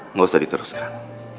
nggak usah diteruskan